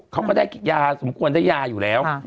เขาก็ได้ยาสมควรได้ยาอยู่แล้ว